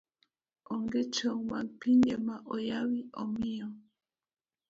Onge tong' mag pinje ma oyawi omiyo